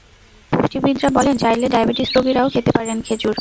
পুষ্টিবিদরা বলেন চাইলে ডায়াবেটিস রোগীরাও খেতে পারেন খেজুর।